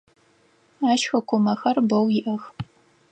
Ащ хыкъумэхэр бэу иӏэх.